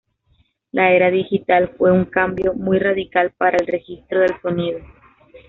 La era digital fue un cambio muy radical para el registro del sonido.